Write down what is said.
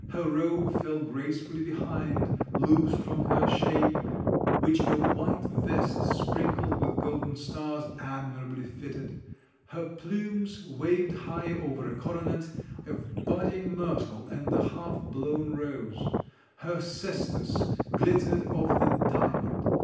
Her robe fell gracefully behind, loose from her shape, which a white vest sprinkled with golden stars admirably fitted. Her plumes waved high over a coronet, of budding myrtle and the half blown rose. Her cestus glittered of the diamond.